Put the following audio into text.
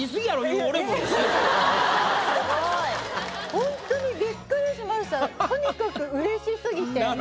ほんとにびっくりしましたとにかくうれしすぎて。